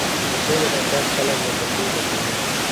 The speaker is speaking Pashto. د سولې راتګ خلک له خوښۍ ډکوي.